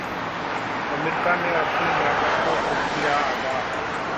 America ने अपने नागरिकों को किया आगाह